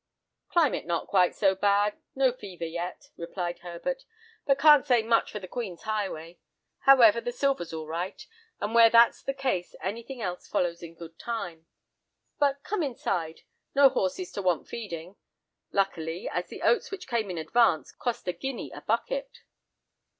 "Climate not quite so bad, no fever yet," replied Herbert, "but can't say much for the Queen's Highway. However, the silver's all right, and where that's the case, anything else follows in good time. But, come inside—no horses to want feeding, luckily, as the oats which came in advance, cost a guinea a bucket."